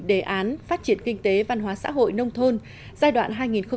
đề án phát triển kinh tế văn hóa xã hội nông thôn giai đoạn hai nghìn một mươi sáu hai nghìn hai mươi